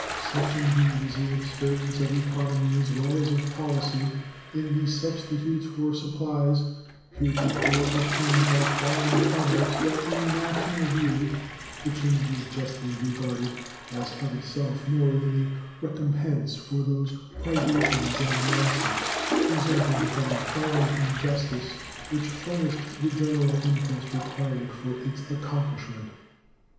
Such indeed is the experience of economy as well as of policy in these substitutes for supplies heretofore obtained by foreign commerce that in a national view the change is justly regarded as of itself more than a recompense for those privations and losses resulting from foreign injustice which furnished the general impulse required for its accomplishment.